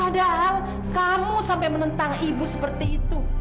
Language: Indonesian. padahal kamu sampai menentang ibu seperti itu